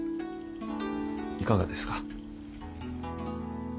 いかがですか？